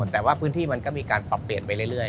แต่ว่าพื้นที่มันก็มีการปรับเปลี่ยนไปเรื่อย